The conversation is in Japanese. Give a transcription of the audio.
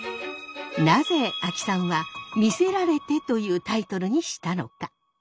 なぜ阿木さんは「魅せられて」というタイトルにしたのか。